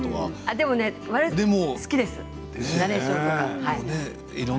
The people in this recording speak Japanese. でもね、わりと好きです。